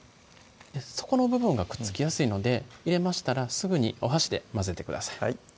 底の部分がくっつきやすいので入れましたらすぐにお箸で混ぜてください